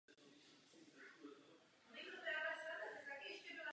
To jsou skutečné obavy, zejména z pohledu rostoucích cen energií.